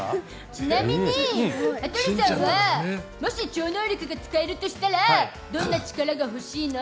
ちなみに羽鳥さんはもし超能力が使えるとしたらどんな力が欲しいの？